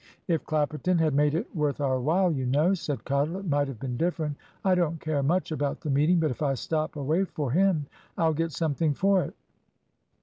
"If Clapperton had made it worth our while, you know," said Cottle, "it might have been different. I don't care much about the meeting; but if I stop away for him, I'll get something for it."